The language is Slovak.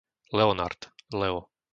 Leonard, Leo